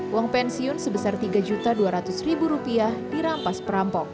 uang pensiun sebesar rp tiga dua ratus dirampas perampok